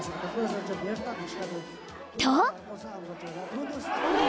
［と］